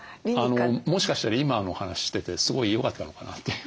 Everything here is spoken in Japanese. もしかしたら今のお話しててすごいよかったのかなという。